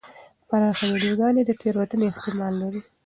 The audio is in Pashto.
پراخه ویډیوګانې د تېروتنې احتمال لري.